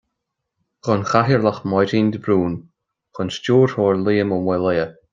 don Chathaoirleach Máirín de Brún; don Stiúrthóir Liam Ó Maolaodha